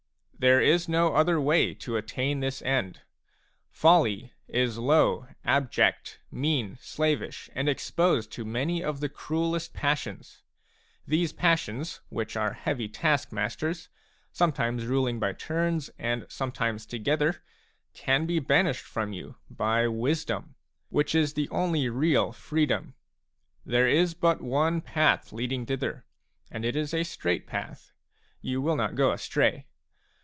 There is no other way to attain this end. Folly d is low, abject, mean, slavish, and exposed to many of the cruellest passions. These passions, which are heavy task masters, sometimes ruling by turns, and sometimes together, can be banished from you by wisdom, which is the only real freedom. There is but one path leading thither, and it is a straight path ; you will not go astray.